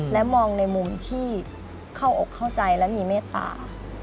และมองในมุมที่เข้าอกเข้าใจและมีเมตตา